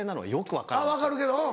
分かるけどうん。